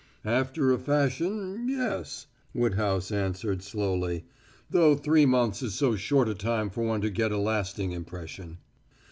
"After a fashion, yes," Woodhouse answered slowly. "Though three months is so short a time for one to get a lasting impression."